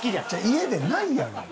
家でないやろ。